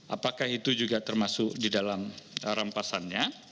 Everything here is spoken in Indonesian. apakah itu juga termasuk di dalam rampasannya